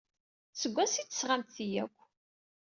Seg wansi ay d-tesɣamt ti akk?